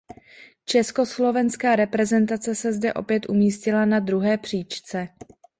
Československá reprezentace se zde opět umístila na druhé příčce.